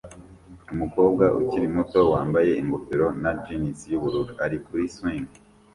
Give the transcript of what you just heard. Umukobwa ukiri muto wambaye ingofero na jans yubururu ari kuri swing